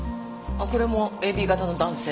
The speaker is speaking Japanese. あっこれもＡＢ型の男性。